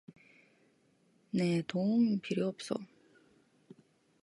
네 도움 필요 없어.